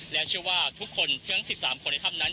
และเชื่อว่าทุกคนทั้ง๑๓คนในถ้ำนั้น